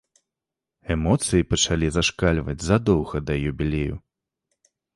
Эмоцыі пачалі зашкальваць задоўга да юбілею.